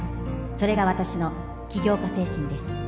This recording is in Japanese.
それが私の起業家精神です